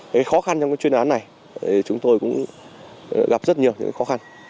cái khó khăn trong cái chuyên án này chúng tôi cũng gặp rất nhiều những khó khăn